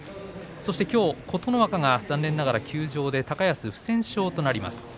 琴ノ若が残念ながら休場で高安、不戦勝となります。